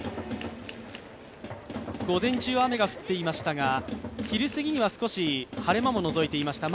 午前中は雨が降っていましたが昼過ぎには少し晴れ間ものぞいていました。